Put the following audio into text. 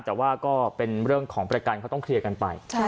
แต่ว่าก็เป็นเรื่องของประกันเขาต้องเคลียร์กันไป